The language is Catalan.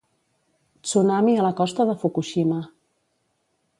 Tsunami a la costa de Fukushima.